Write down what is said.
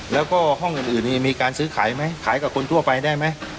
แล้วก็ห้องอื่นนี่มีการซื้อขายไหมขายกับคนทั่วไปได้ไหม